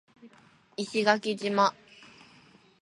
石垣島